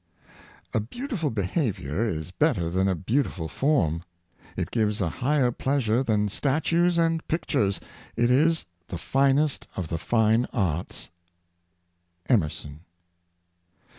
" A beautiful behavior is better than a beautiful form ; it gives a higher pleasure than statues and pictures ; it is the finest of the fine arts." — Emerson.